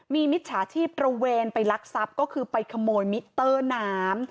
มีมิจฉาชีพตระเวนไปลักทรัพย์ก็คือไปขโมยมิเตอร์น้ำ